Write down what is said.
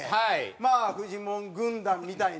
まあフジモン軍団みたいな。